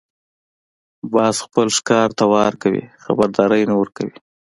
باز خپل ښکار ته وار کوي، خبرداری نه ورکوي